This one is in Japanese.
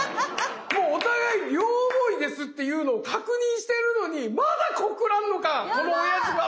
もうお互い両思いですっていうのを確認してるのにまだ告らんのかこのオヤジはと。